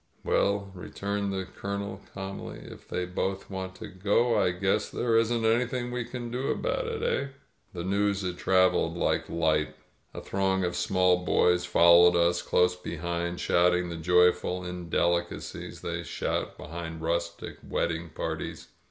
"Well," returned the Colonel cahnly, "if they both want to go, I guess there isn't anything we can do about it, eh?" The news had traveled like light. A throng of small boys followed us close behind, shouting the joyful in delicacies they shout behind rustic wedding parties.